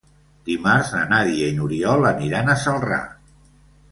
Dimarts na Nàdia i n'Oriol aniran a Celrà.